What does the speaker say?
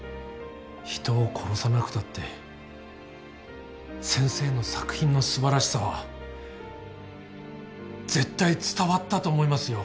人を殺さなくたって先生の作品の素晴らしさは絶対伝わったと思いますよ。